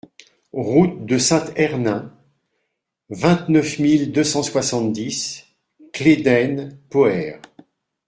Route de Saint-Hernin, vingt-neuf mille deux cent soixante-dix Cléden-Poher